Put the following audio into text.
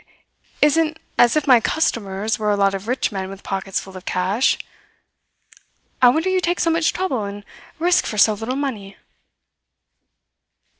Isn't as if my customers were a lot of rich men with pockets full of cash. I wonder you take so much trouble and risk for so little money."